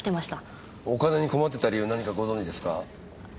お金に困ってた理由何かご存じですか？